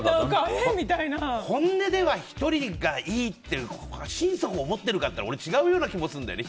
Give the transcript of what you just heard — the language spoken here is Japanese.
本音で１人でいいって心底思っているかといったら違うような気もするんだよね。